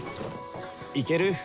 いける？